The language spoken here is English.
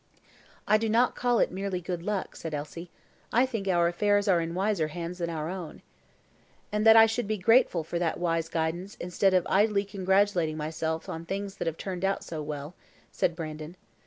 "I do not call it merely good luck," said Elsie; "I think our affairs are in wiser hands than our own." "And that I should be grateful for that wise guidance, instead of idly congratulating myself that things have turned out so well," said Brandon.